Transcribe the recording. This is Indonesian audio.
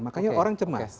makanya orang cemas